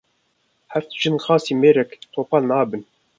Heft jin qasê mêrek topal nabin